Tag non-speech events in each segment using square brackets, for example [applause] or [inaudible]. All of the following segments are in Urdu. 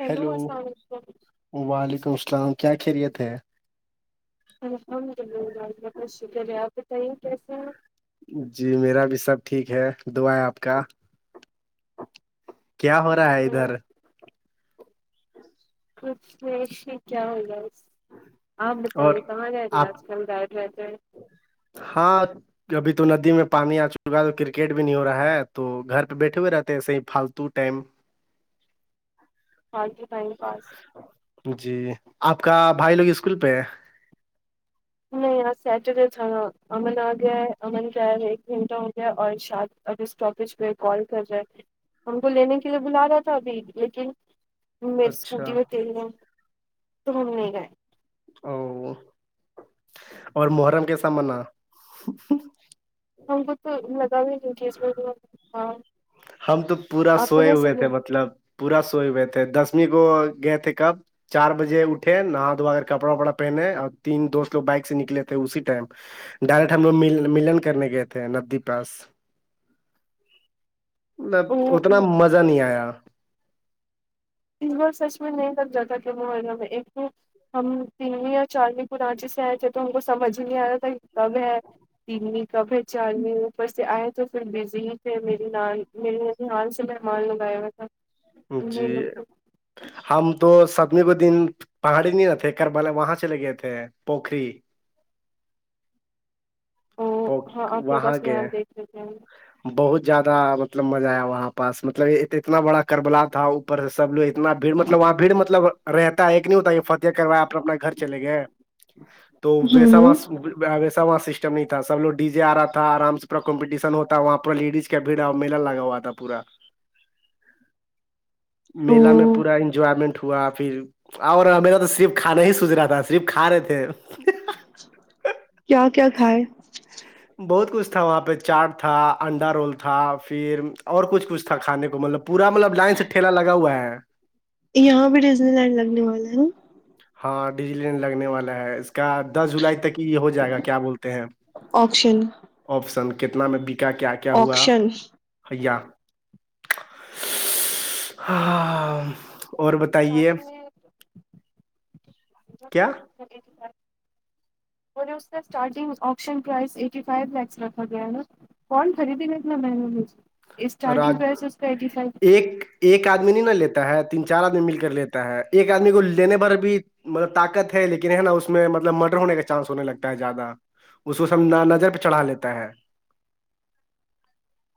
ہیلو السلام علیکم وعلیکم السلام کیا خیریت ہے الحمد للہ الله کا شکر ہے آپ بتائیے کیسے ہیں آپ جی میرا بھی سب ٹھیک ہے دعا ہے آپ کا کیا ہو رہا ہے ادھر کچھ نہیں اسے کیا ہوگا اپ اور بتایی کھا رہتے ہے آپ اج کل گڑ رہتے ہاں ابھی تو ندی میں پانی آ چکا ہے تو کرکٹ بھی نہیں ہو رہا ہے تو گھر پہ بیٹھے ہوئے رہتے ہیں ایسے ہی پالتو ٹائم فالتو ٹائم پاس جی آپ کا بھائی لوگ اسکول پہ ہے نہیں آج سیٹرڈے تھا نا امن آ گیا ہے امن کا ائے ایک گھنٹہ ہو گیا ہے اور ارشاد اج اسٹاپیج پہ کال کر رہے ہم کو لینے کے لیے بلا رہا تھا ابھی لیکن می اچھا اسکوٹی میں تل ہے تو ہم نہیں گئے او اور محرم کیسا منا ہم کو تو لگا ہوز [unintelligible] میں ہاں ہم تو پورا سوئے ہوئے تھے مطلب پورا سوئے ہوئے تھے دسویں کو گئے تھے کب چار بجے اٹھے نہا دوا کر کپڑا وپڑا پہنے اور تین دوست لوگ بائک سے نکلے تھے اسی ٹائم ڈائریکٹ ہم لوگ م ملن کرنے گئے تھے ندی پاس مطلب اتنا مزہ نہیں آیا اس بار سچ میں نہیں لگ جاتا کیا وہ میں ایکمیں ہم تینویں یا چارویں پراانچی سے آئے تھے تو ہم کو سمج ہی نہیں آ رہا تھا سب ہے تین تو پھر چارمی اوپر سے آئے تو پھر بزی ہی تھے میری نان میرری نانیال سے مہمان لوگ ائے ہوئے تھے جی ہم تو سب نے وہ دن پہاڑی نہیں نہ تھے کربالے وہاں چلے گئے تھے پوکھری پو ہاں آپ وہاں بس میں نیا گئے دیکھ لیتے ہیں بہت زیادہ مطلب مزہ آیا وہاں پاس مطلب اتنا بڑا کربلا تھا اوپر سے سب لوگ اتنا بھیڑ مطلب وہاں بھیڑ مطلب رہتا ہے ایک نہیں ہوتا یہ فتح کروایا اپنے اپنا گھر چلے گئے تو ہوں ویسا ہوں وہاں ویسا وہاں سسٹم نہیں تھا سب لوگ ڈی جے آ رہا تھا آرام سے پورا کمپٹیشن ہوتا تھا وہاں پر لیڈیز کا بھیڑ میلا لگا ہوا تھا پورا او میلا میں پورا انجوائمنٹ ہوا پھر اور میرا تو صرف کھانا ہی سوج رہا تھا صرف کھا رہے تھے کیا کیا کھائے بہت کچھ تھا وہاں پہ چاٹ تھا انڈا رول تھا فر اور کچھ کچھ تھا کھانے کو مطلب پورا مطلب لائن سے ٹھیلا لگا ہوا ہے یہاں بھی ڈیزنی لینڈ لگنے والا ہے ہاں ڈیزنی لینڈ لگنے والا ہے اس کا دس جولائی تک ہی یہ ہو جائے گا کیا بولتے ہیں آکشن آپشن کتنا میں بکا کیا کیا ہوا آکشن ایا ہا اسٹارٹنگ میں کیا [unintelligible] مجھے اس کا starting option price eighty five lakh رکھا گیا ہے کون خریدی گا اتنا مہنگا [unintelligible] اسٹارٹگ راج پرائز اسکا ایٹی فائیو ایک ایک آدمی نہیں نا لیتا ہے تین چار آدمی مل کر لیتا ہے ایک آدمی کو لینے پر بھی مطلب طاقت ہے لیکن ہے نا اس میں مطلب مڈر ہونے کا چانس ہونے لگتا ہے زیادہ اس کو سب نا نظر پہ چڑھا لیتا ہے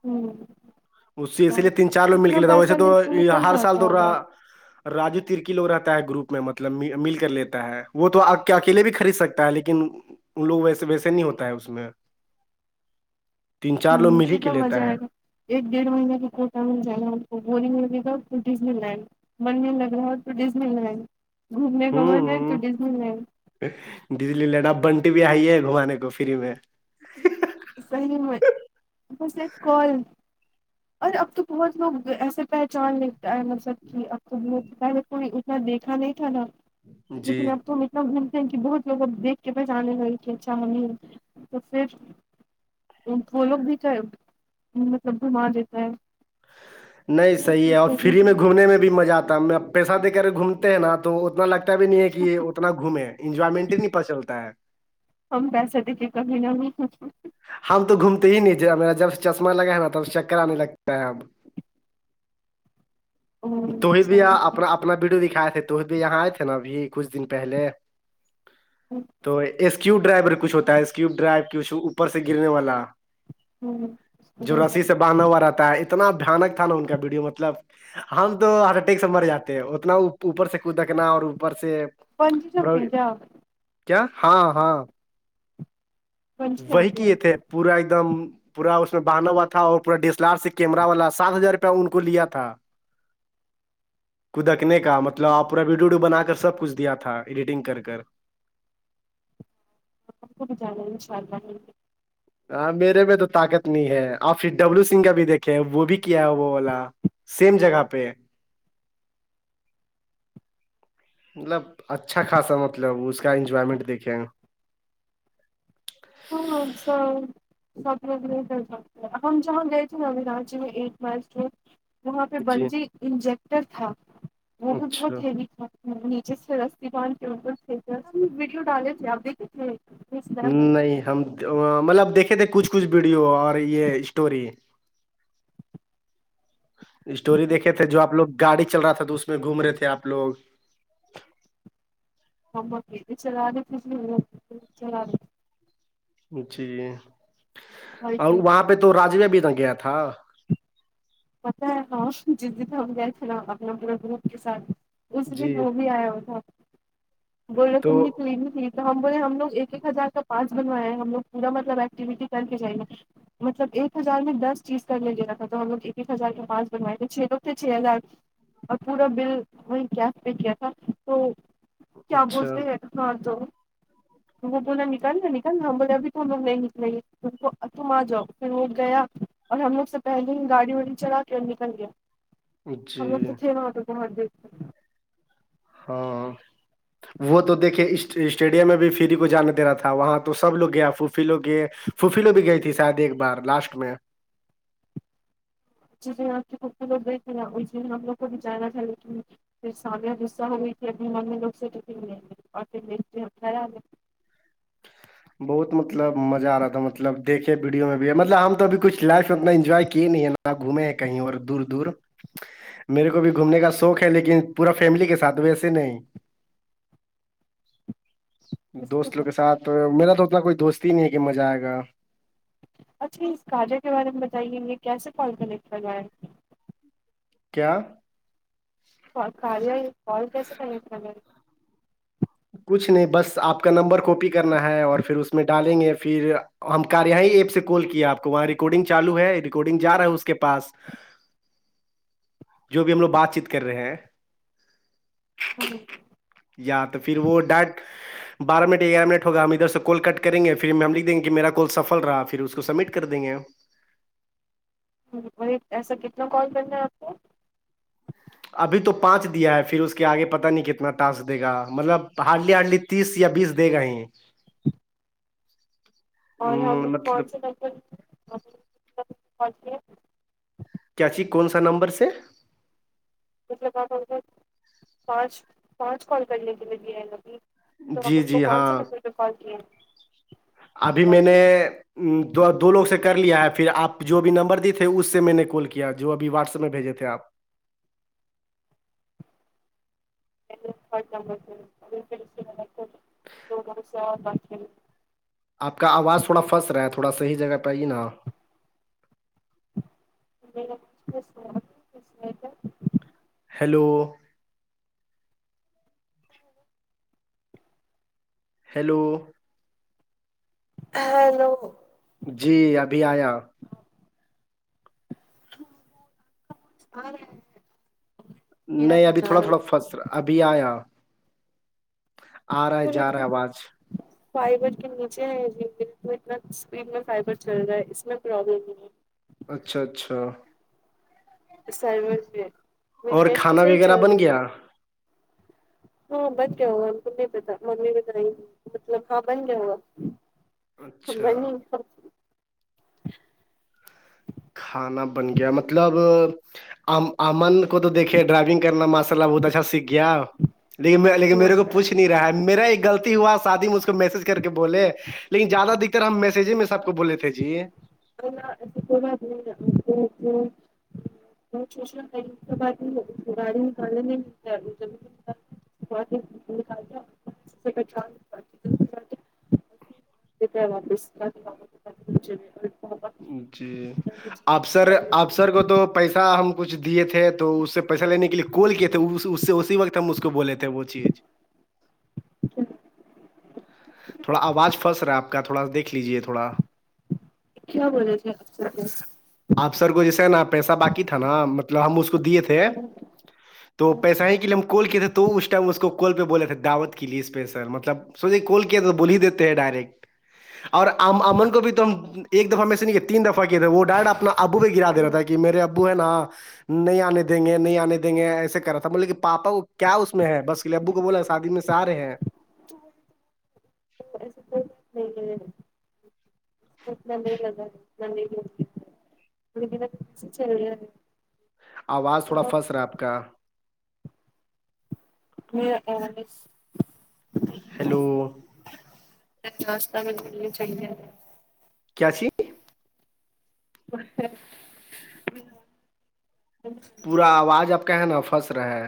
ہوں اس سے اسی لیے تین چار لوگ مل کے لیےتا ویسے تو ہر سال تورا راجو ترکی لوگ رہتا ہے گروپ میں مطلب مل کر لیتا ہے وہ تو آپ کے اکیلے بھی خرید سکتے ہوتا ہے لیکن ان لوگ ویسے ویسے نہیں ہوتا ہے اس میں تین چار لوگ مل ہی کے لیتا ہے ایک ڈیڑھ مہینے کا کوٹہ مل جائے گا ہم کو بورنگ لگے گا پھر ڈیزنی لینڈ من نہیں لگ رہا ہے تو ڈیزنی لینڈ گھومنے کا من ہے تو ڈیزنی لینڈ ڈیزنی لینڈ اب بنٹی بھی آئی ہے گھومانے کو فری میں صحیح میں بس ایک کال اور اب تو بہت لوگ ایسے پہچان لیتا ہے مطلب کہ اب تو بہت پہلے کوئی ات نا دیکھا نہیں تھا نا جی لیکن اب تو میں لگ ملتے ہیں کہ بہت لوگ اب دیکھ کے پہچانے لگے کے اچھا نہیں تو پھر وہ لوگ بھی تو ہے مطلب گھما دیتا ہے نہیں صحیح ہے اور فری میں گھومنے میں بھی مزہ آتا ہے پیسہ دے کر گھومتے ہیں نا تو اتنا لگ تا بھی نہیں ہے کہ یہ اتنا گھومے ہیں انجوائمنٹ ہی نہیں پتا چلتا ہے ہم پیسا دے کے کبھی نا گھومے ہم تو گھومتے ہی نہیں تھے جب میرا جب چشمہ لگا ہے نا تب چکر آنے لگتا ہے اب تو ہی بھیا اپنا اب اپنا ویڈیو دکھائے تھے تو بھی یہاں آئے تھے نا ابھی کچھ دن پہلے ہوں تو اسکیو ڈرائیور کچھ ہوتا ہے اسکیو ڈرائیو کچھ اوپر سے گرنے والا جو رسی سے بنا ہوا رہتا ہے اتنا بھیانک تھا نا ان کا ویڈیو مطلب ہم تو ہرٹ اٹیک سے مر جاتے ہیں اتنا اوپر سے کو دکنا اور اوپر سے پنچ سو پورا [unintelligible] کیا ہاں ہاں وہی کئے تھے پورا ایک دم پورا اس میں بہانا ہوا تھا اور پورا ڈی ایس ایل آر سے کیمرا والا سات ہزار روپیہ ان کو لیا تھا کو دکنے کا مطلب آپ پورا ویڈیو ویڈیو بنا کر سب کچھ دیا تھا ایڈیٹنگ کر کر [unintelligible] ہاں میرے میں تو طاقت نہیں ہے آپ پھر ڈبلو سنگھ کا بھی دیکھے وہ بھی کیا ہے وہ والا سیم جگہ پہ مطلب اچھا خاصا مطلب اس کا انجوائمنٹ دیکھے ہاں ہم سب [unintelligible] دیکھ تھا ہم جہاں گئے تھے نو راچی میں ایٹ مائچ میں وہاں پہ جی بنجی انجیکٹر تھا وہ بھی بہت اچھا ہیوی تھا نیچے سے رسی باند کے بالکل ویڈیو ڈالے تھے آپ دیکھے تھے میں سنیپ ڈالی تھی نہیں ہم مطلب دیکھے تھے کچھ کچھ ویڈیو اور یہ اسٹوری اسٹوری دیکھے تھے جو آپ لوگ گاڑی چل را تھا تو اس میں گھوم رہے تھے آپ لوگ ہم اب بالکل چلے رہے تھے جی اب بھی چلے رہے جی اور وہاں پہ تو راج نے بھی تو گیا تھا پتا ہے نہ کےجس جئپ میں ہم گئے تھے نا اپنا پورے گروپ کے ساتھ اس جی دن وہ بھی آیا ہوا تھا بول رہے تو تم نے پلی بھی تو ہم بولا ہم لوگ ایک ایک ہزار کا پاس بنوائے ہے ہیں ہم لوگ پورا مطلب ایکٹیویٹی کر کے جائیں گے مطلب ایک ہزار میں دس چیز کرنے دیرا تھا تو ہم لوگ ایک ہزار کے پاس بنوائے تھے چھ لوگ تھے چھ ہزار اور پورا بل وہیں کیش پے کیا تھا تو کیا اچھا بولتے ہیں ہاں تو وہ بولا نکل نہ نکل نہ ہم بولا ابھی تم لوگ نہیں نکلےگا وہ تم آ جاؤ پھر وہ گیا اور ہم لوگ سے پہلے ہی گاڑی چڑا کے نکل گیا ہم لوگ جی تو تھے وہاں پہ تو بہت دیر تک ہاں وہ تو دیکھے اسٹیڈیم میں بھی فری کو جانا دے رہا تھا وہاں تو سب لوگ گئے فوفی لوگ گئے فوفی لوگ بھی گئی تھی شاید ایک بار لاسٹ میں جی جی آپ کے پھوپھو لوگ گئے تھے اس ہم لوگ کو بھیچانا تھا پھر سامیہ غصہ ہو گئی تھی ابھی ممی لوگ سے کٹی ھوئ ہے اور پھر دیکھتے خیال بہت مطلب مزہ آ رہا تھا مطلب دیکھے ویڈیو میں بھی مطلب ہم تو اب کچھ لائف میں اتنا انجوائے کیے نہیں ہے نہ آپ گھومے کہیں اور دور دور میرے کو بھی گھومنے کا شوق ہے لیکن پورا فیملی کے ساتھ ویسے نہیں دوست لوگ کے ساتھ میرا تو اتنا کوئی دوست ہی نہیں ہے کہ مزہ آئے گا اچھا اس کاریا کے بارے میں بتائیے یہ کیسے کال کنیکٹ کر رہا ہیں کیا کال کاریا یہ کال کیسے کنیکٹ کرنا ہے کچھ نہیں بس آپ کا نمبر کاپی کرنا ہے اور پھر اس میں ڈالینگے پھر ہم کاریا ہی ایپ سے کال کیا آپکو وہاں ریکارڈنگ چالو ہے ریکارڈنگ جا رہا ہے اس کے پاس جو بھی ہم لوگ بات چیت کر رہے ہیں [inaudible] یا تو پھر وہ ڈٹ بارہ منٹ گیارہ منٹ ہوگئے ہم ادھر سے کال کٹ کریں گے پھر ہم لکھ دیں گے میرا کول سفل رہا پھر اس کو سبمٹ کر دیں گے وہی ایسا کتنا کال کرنا ہے آپ کو ابھی تو پانچ دیا ہے پھر اس کے آگے پتا نہیں کتنا ٹاسک دے گا مطلب ہارڈلی ہارڈلی تیس یا بیس دیگا یہ اور ہم کون سے [inaudible] کیا چی کون سا نمبر سے مطلب آپ ہم پانچ پانچ کال کر نے کے لیے [unintelligible] تو اب جی ہم کو جی کون سے ہاں نمبر پہ کال کیے ہیں ابھی میں نے دو لوگ سے کر لیا ہے پھر آپ جو بھی نمبر دیے تھے اس سے میں نے کال کیا جو ابھی واٹسپ میں بھیجے تھے آپ [unintelligible] آپ کا آواز تھوڑا فس رہا ہے تھوڑا صحیح جگہ پہ ائیے نا [unintelligible] ہیلو ہیلو ہیلو جی ابھی آیا آرہا ہے نہ نہیں ابھی تھوڑا تھوڑا فس را ابھی آیا آ رہا ہے جا رہا ہے آواز فائبر کے نیچے ہیں بلڈنگ تو اتنا اسپیڈ میں فائبر چل رہا ہے اس میں پرابلم نہیں ہے اچھا اچھا [unintelligible] اور کھانا وغیرہ بن گیا ہاں بن گیا ہوگا ہم کو نہیں پتہ ممی بناینگی مطلب ہاں بن گیا ہو گا اچھا بنی سب کھانا بن گیا مطلب ام امن کو تو دیکھئے ڈرائیونگ کرنا ماشاء اللہ بہت اچھا سیکھ گیا لیکن لیکن میرے کو پچھ نہیں رہا ہے میرا ایک گل تی ہوا شادی مجھ کو میسج کر کے بولے لیکن زیادہ دگرر ہم میسج میں سب کو بولے تھے جی [unintelligible] [unintelligible] [inaudible] واپس [unintelligible] جی افسر افسر کو تو پیسہ ہم کچھ دیے تھے تو اس سے پیسہ لینے کے لیے کول کیا تھا اس سے اسی وقت ہم اس کو بولے تھے وہ چیز [inaudible] تھوڑا آواز پھس رہا ہے آپکا تھوا دیکھ لیجیے تھوڑا کیا بولے تھے آپ آپسر کو جیسے نا پیسہ باقی تھا نا مطلب ہم اس کو دیے تھے تو پیسہ ہی کے لیے ہم کال کے تھے تو اس ٹائم اس کو کال پہ بولے تھے دعوت کے لیے اس پہ سر مطلب سوچا کال کیا تو بول ہی دیتے ہیں ڈائریکٹ اور ام امن کو بھی تو ہم ایک دفعہ میسیج نہیں تین دفعہ کیے تھے وہ ڈائٹ اپنا ابو بھی گرا دے رہا تھا کہ میرے ابو ہیں نا نہیں آنے دیں گے نہیں آنے دیں گے ایسے کر رہا تھا بولے کہ پاپا کو کیا اس میں ہے بس اسلئے ابو کو بولا شادی میں سے آ رہے ہیں [inaudible] [inaudible] [unintelligible] آواز تھوڑا پھنس رہا ہے آپ کا [unintelligible] ہیلو [unintelligible] کیاچھی [unintelligible] پورا آواز آپ کا ہے نا پھس رہا ہے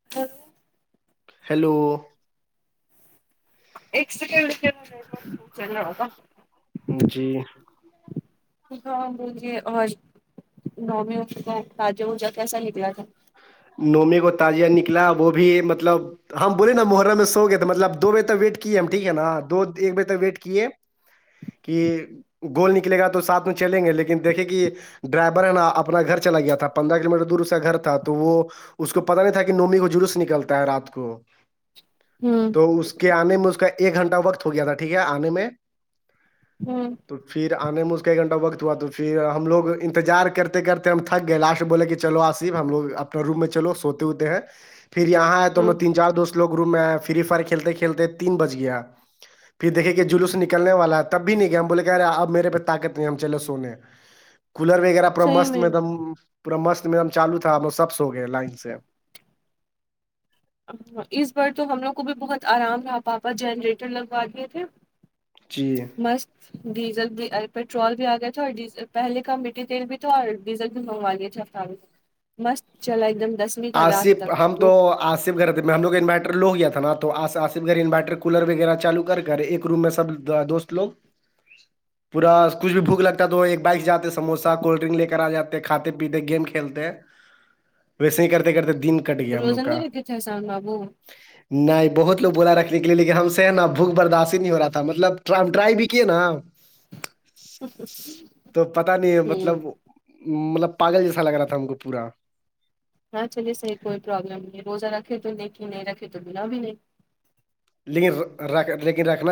[unintelligible] ہیلو ایک سیکنڈ ہوگا جی ہاں مجھے اور نومی تجا وجا کیسا نکلا تھا نومی کو تازیہ نکلا وہ بھی مطلب ہم بولے نا محرم میں سو گئے تھے مطلب دو بجے تک ویٹ کیے ہم ٹھیک ہے نا دو ایک بجے تک ویٹ کیے کہ گول نکلے گا تو ساتھ میں چلیں گے لیکن دیکھے کہ ڈرائیور ہے نا اپنا گھر چلا گیا تھا پندرہ کلو میٹر دور اس کا گھر تھا تو وہ اس کو پتا نہیں تھا کہ نومی کو جلوس نکلتا ہے رات کو ہوں تو اس کے آنے میں اس کا ایک گھنٹہ وقت ہو گیا تھا ٹھیک ہے آنے میں ہوں تو پھر آنے میں اس کا ایک گھنٹہ وقت ہوا تو پھر ہم لوگ انتظار کرتے کرتے ہم تھک گئے لاسٹ میں بولے کہ چلو آصف ہم لوگ اپنے روم میں چلو سوتے ہوتے ہیں پھر یہاں آئے تو ہم نے تین چار دوست لوگ روم میں ائے فری فائر کھیلتے کھیلتے تین بج گیا پھر دیکھے کہ جلوس نکنے والا ہے تب بھی نہیں گیا ہم بولے کہ ارے اب میرے پہ طاقت نہیں ہم چلے سونے کولر وغیرہ پورا مست میں دم پورا مست میں دم چالو تھا سب سو گئے لائن سے اس بار تو ہم لوگ کو بھی بہت آرام رہا پاپا جنریٹر لگوا دیے تھے جی مست ڈیزل بھی پیٹرول بھی آ گئے تھے اور ڈیل پہلے کا میٹیھی تیل بھی تھا اور ڈیزل بھی منگوا لیے تھے مست چلا ایک دم دس آصف ہم تو آصف گھر میں ہم لوگ انوائٹر لو گیا تھا نا تو آ آصف گھر انوائٹر کولر وغیرہ چالو کر کر ایک روم میں سب دوست لوگ پورا کچھ بھی بھوک لگتا ہے تو ایک بائک جاتے سوسا کولڈ ڈرنک لے کر آ جاتے کاتے پیتے گیم کھیلتے ہیں ویسے ہی کرتے کرتے دن کٹ گیا ہم لوگ روزہ کا نہیں لگے تھ سان بابو نہیں بہت لوگ بولا رکھنے کے لیے لیکن ہم سے ہے نا بھوک برداشت نہیں ہو رہا تھا مطلب ہم ڈرائیو بھی کیے نا [unintelligible] تو پتا نہیں ہے مطلب مطلب پاگل جیسا لگ رہا تھا ہم کو پورا ہاں چلیے صحیح کوئی پرابلم نہیں روزہ رکھے تو نیکی نہیں رکھے تو گناہ بھی نہیں لیکن رکھ لیکن رکھنا